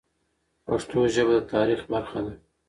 پښتو ژبه د تاریخ برخه ده.